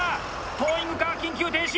トーイングカー緊急停止！